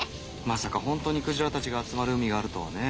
まさかホントにクジラたちが集まる海があるとはね。